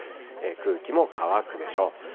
空気も乾くでしょう。